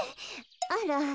あら。